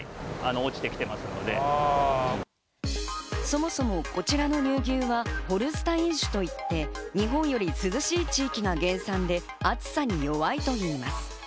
そもそもこちらの乳牛はホルスタイン種といって、日本より涼しい地域が原産で、暑さに弱いといいます。